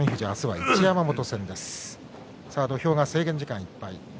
土俵上、制限時間いっぱいです。